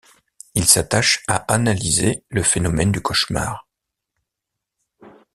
Il s'attache à analyser le phénomène du cauchemar.